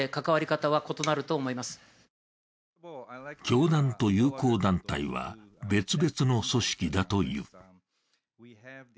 教団と友好団体は別々の組織だという。